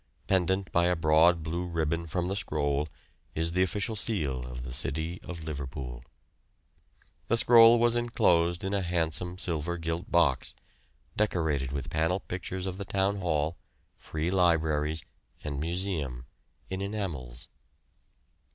Pendant by a broad blue ribbon from the scroll is the official seal of the city of Liverpool. "The scroll was enclosed in a handsome silver gilt box, decorated with panel pictures of the Town Hall, Free Libraries, and Museum, in enamels.